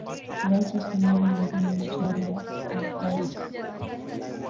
raia wa somalia mohamed jol kwa kosa